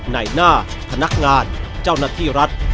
ในหน้าพนักงานเจ้าหน้าที่รัฐ